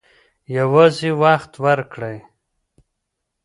یوازې وخت ورکړئ.